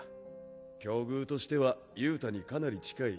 境遇としては憂太にかなり近い。